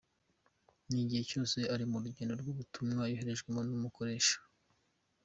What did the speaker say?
N’ igihe cyose ari mu rugendo rw’ubutumwa yoherejwemo n’umukoresha.